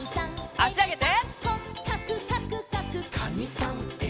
あしあげて。